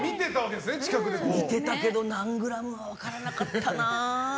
見てたけど何グラムは分からなかったな。